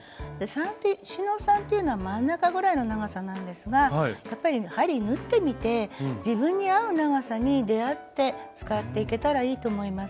四ノ三というのは真ん中ぐらいの長さなんですがやっぱり針縫ってみて自分に合う長さに出会って使っていけたらいいと思います。